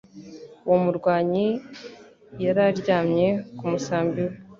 Uwo murwayi yari aryamye ku musambi we,